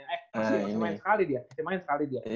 eh masih main sekali dia masih main sekali dia